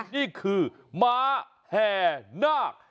นี่คือม้าแห่นาค